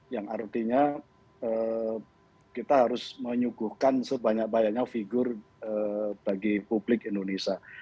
yang artinya kita harus menyuguhkan sebanyak banyaknya figur bagi publik indonesia